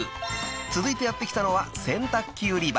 ［続いてやって来たのは洗濯機売り場］